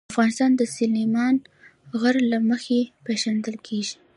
افغانستان د سلیمان غر له مخې پېژندل کېږي.